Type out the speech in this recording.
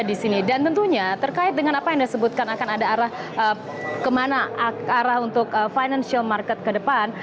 dan tentunya terkait dengan apa yang disebutkan akan ada arah kemana arah untuk financial market ke depan